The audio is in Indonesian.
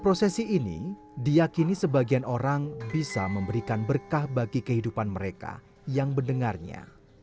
prosesi ini diakini sebagian orang bisa memberikan berkah bagi kehidupan mereka yang mendengarnya